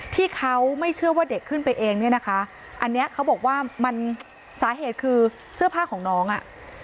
ที่เขาไม่เชื่อว่าเด็กขึ้นไปเองเนี่ยนะคะอันนี้เขาบอกว่ามันสาเหตุคือเสื้อผ้าของน้องอ่ะ